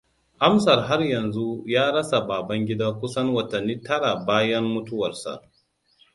Amsa har yanzu ya rasa Babangida kusan watanni tara bayan mutuwarsa.